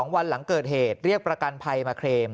วันหลังเกิดเหตุเรียกประกันภัยมาเคลม